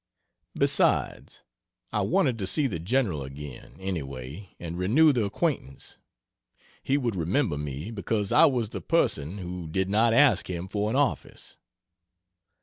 Besides, I wanted to see the General again, any way, and renew the acquaintance. He would remember me, because I was the person who did not ask him for an office.